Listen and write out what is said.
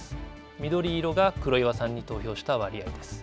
緑色が黒岩さんに投票した割合です。